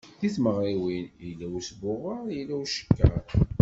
Deg tmeɣriwin, yella usbuɣer yella ucekker.